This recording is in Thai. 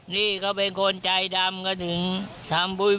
นี่เขาเป็นคนใจดำก็ถึงทำบุญ